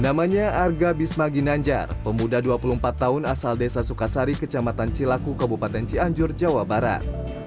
namanya arga bisma ginanjar pemuda dua puluh empat tahun asal desa sukasari kecamatan cilaku kabupaten cianjur jawa barat